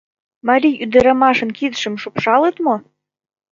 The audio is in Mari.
— Марий ӱдырамашын кидшым шупшалыт мо?